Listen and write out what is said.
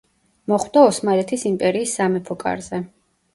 მოხვდა ოსმალეთის იმპერიის სამეფო კარზე.